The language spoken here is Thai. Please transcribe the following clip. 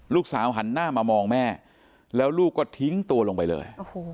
หันหน้ามามองแม่แล้วลูกก็ทิ้งตัวลงไปเลย